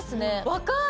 若い。